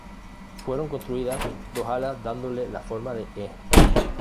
Fueron construidas dos alas dándole la forma de "E".